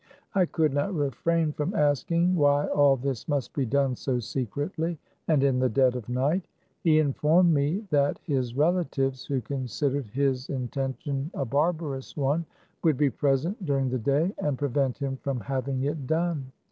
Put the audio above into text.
I could not refrain from asking why all this must be done so secretly and in the dead of night ? He informed me that his relatives, who considered his intention a bar barous one, would be present during the day, and prevent him from having it done.